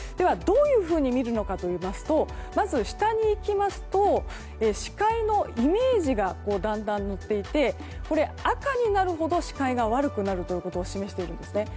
どういうふうに見るのかといいますと下にいきますと視界のイメージがだんだん載っていて赤になるほど視界が悪くなることを示しているんです。